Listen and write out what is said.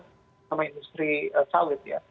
terutama sama industri sawit ya